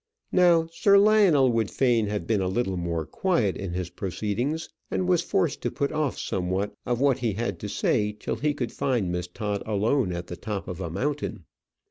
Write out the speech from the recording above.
Now Sir Lionel would fain have been a little more quiet in his proceedings, and was forced to put off somewhat of what he had to say till he could find Miss Todd alone on the top of a mountain.